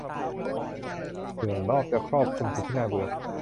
เสื่อรอบจะครอบคลุมจุดที่น่าเบื่อ